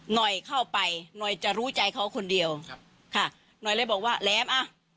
หน่อยเข้าไปหน่อยจะรู้ใจเขาคนเดียวครับค่ะหน่อยเลยบอกว่าแหลมอ่ะ